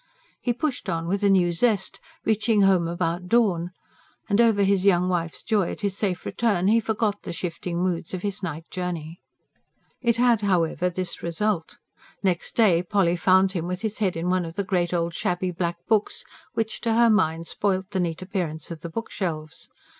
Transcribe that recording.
He pushed on with a new zest, reaching home about dawn. And over his young wife's joy at his safe return, he forgot the shifting moods of his night journey. It had, however, this result. Next day Polly found him with his head in one of the great old shabby black books which, to her mind, spoilt the neat appearance of the bookshelves.